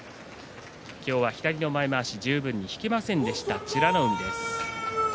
今日は左の前まわしを十分に引けませんでした美ノ海です。